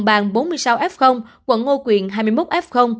quận lê chân có sáu mươi f quận hồng bàng bốn mươi sáu f quận ngô quyền hai mươi một f